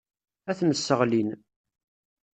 Ad ten-sseɣlin.